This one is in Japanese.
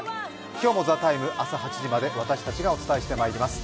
今日も「ＴＨＥＴＩＭＥ，」朝８時まで私たちがお伝えしていきます。